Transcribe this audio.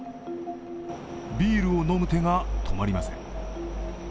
ビールを飲む手が止まりません。